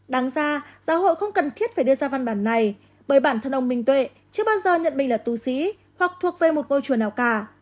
đáng ra giáo hội không cần thiết phải đưa ra văn bản này bởi bản thân ông minh tuệ chưa bao giờ nhận mình là tù sĩ hoặc thuộc về một ngôi chùa nào cả